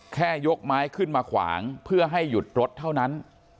ยกไม้ขึ้นมาขวางเพื่อให้หยุดรถเท่านั้น